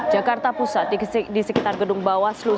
jakarta pusat di sekitar gedung bawah selu